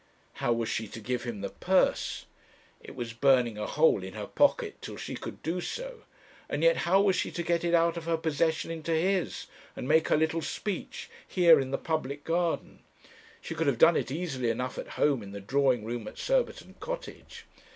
How was she to give him the purse? It was burning a hole in her pocket till she could do so; and yet how was she to get it out of her possession into his, and make her little speech, here in the public garden? She could have done it easily enough at home in the drawing room at Surbiton Cottage.